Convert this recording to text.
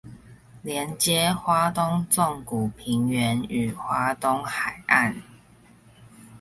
連接花東縱谷平原與花東海岸